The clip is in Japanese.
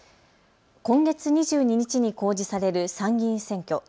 今月２２日に公示される参議院選挙。